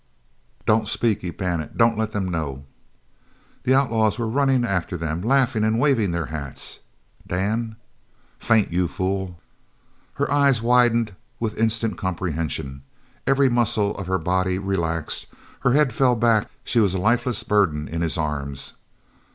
"Don't speak!" he panted. "Don't let them know!" The outlaws were running after them, laughing and waving their hats. "Dan!" "Faint, you fool!" Her eyes widened with instant comprehension. Every muscle of her body relaxed; her head fell back; she was a lifeless burden in his arms.